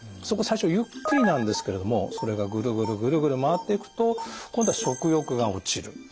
そこ最初ゆっくりなんですけれどもそれがぐるぐるぐるぐる回っていくと今度は食欲が落ちる。